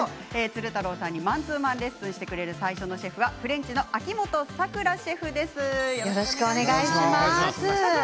鶴太郎さんにマンツーマンレッスンしてくださる最初のシェフはフレンチの秋元さくらシェフです。